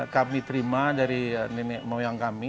kami terima dari nenek moyang kami